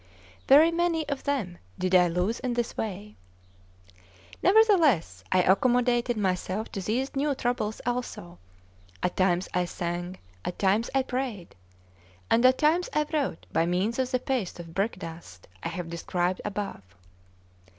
Very many of them did I lose in this way. Nevertheless, I accommodated myself to these new troubles also; at times I sang, at times I prayed, and at times I wrote by means of the paste of brick dust I have described above.